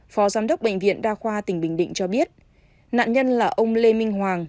phó giám đốc bệnh viện đa khoa tỉnh bình định cho biết nạn nhân là ông lê minh hoàng